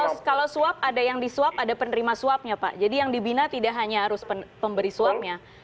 kalau suap ada yang disuap ada penerima suapnya pak jadi yang dibina tidak hanya harus pemberi suapnya